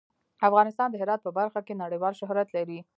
افغانستان د هرات په برخه کې نړیوال شهرت لري.